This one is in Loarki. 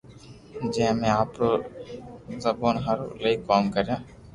جي امي آپرو زبون ھارو ايلائيڪوم ڪريو